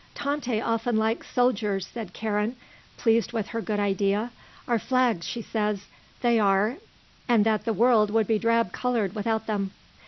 "Tante often likes soldiers," said Karen, pleased with her good idea. "Our flags, she says, they are, and that the world would be drab coloured without them."